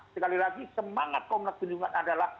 sekali lagi semangat komnak perlindungan adalah